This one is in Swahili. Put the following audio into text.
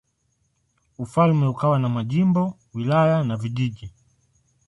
Ufalme ukawa na majimbo, wilaya na vijiji.